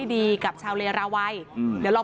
ได้มาอะไรต้อง